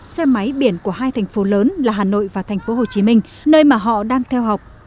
xe máy biển của hai thành phố lớn là hà nội và thành phố hồ chí minh nơi mà họ đang theo học